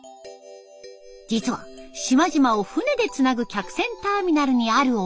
実は島々を船でつなぐ客船ターミナルにあるお店。